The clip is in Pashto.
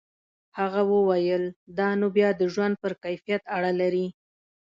هغه وویل دا نو بیا د ژوند پر کیفیت اړه لري.